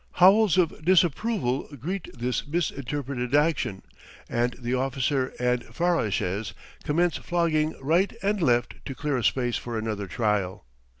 Howls of disapproval greet this misinterpreted action, and the officer and farrashes commence flogging right and left to clear a space for another trial.